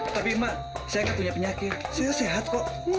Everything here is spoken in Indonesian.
tapi mak saya kan punya penyakit saya sehat kok